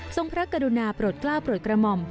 พระกรุณาโปรดกล้าวโปรดกระหม่อม